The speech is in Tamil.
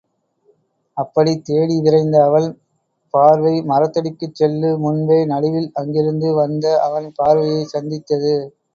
அப்படித் தேடி விரைந்த அவள் பார்வை மரத்தடிக்குச் செல்லு முன்பே நடுவில் அங்கிருந்து வந்த அவன் பார்வையைச் சந்தித்தது.